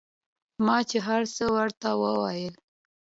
ما چې هرڅه ورته وويل.